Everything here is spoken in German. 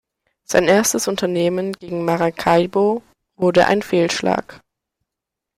Sein erstes Unternehmen gegen Maracaibo wurde ein Fehlschlag.